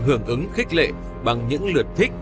hưởng ứng khích lệ bằng những lượt thích